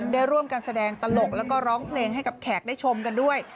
ได้ร่วมกันแสดงตลกแล้วก็ร้องเพลงให้กับแขกได้ชมกันด้วย